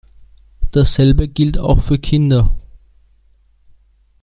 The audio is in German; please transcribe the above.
Dasselbe gilt auch für Kinder.